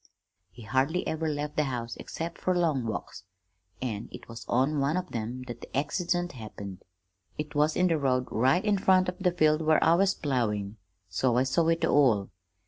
"He hardly ever left the house except fer long walks, and it was on one of them that the accident happened. It was in the road right in front of the field where I was ploughing, so I saw it all.